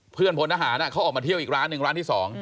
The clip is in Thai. พลทหารเขาออกมาเที่ยวอีกร้านหนึ่งร้านที่๒